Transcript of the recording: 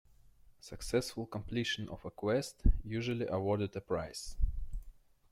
Successful completion of a quest usually awarded a prize.